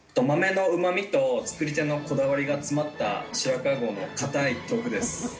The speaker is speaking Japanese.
豆のうまみと作り手のこだわりが詰まった白川郷の固い豆腐です。